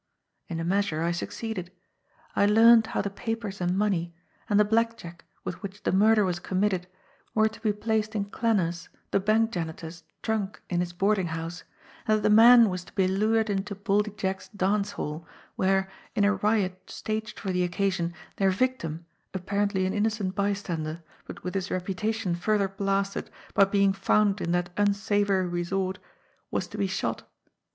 In a measure I succeeded ; I learned how the papers and money, and the blackjack with which the murder was committed, were to be placed in Klanner's, the bank janitor's, trunk in his boarding house, and that the man was to be lured into Baldy Jack's dance hall, where, in a riot staged for the occasion, their victim, apparently an innocent bystander, but with his repu tation further blasted by being found in that unsavory resort, was to be shot.